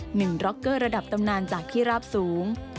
หนึ่งร็อกเกอร์ระดับตำนานจากที่ราบสูง